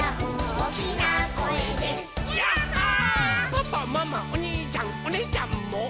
「パパママおにいちゃんおねぇちゃんも」